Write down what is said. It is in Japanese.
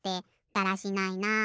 だらしないなあ。